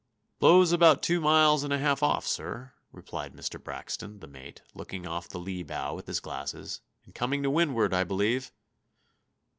"Blows about two miles and a half off, sir," replied Mr. Braxton, the mate, looking off the lee bow with his glasses, "and coming to windward, I believe."